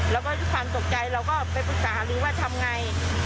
แล้วก็ด้วยความตกใจเราก็ไปปรึกษาดูว่าทำไง